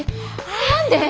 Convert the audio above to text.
何で？